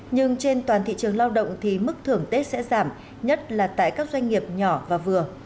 nhưng trên toàn thị trường lao động thì mức thưởng tết sẽ giảm nhất là tại các doanh nghiệp nhỏ và vừa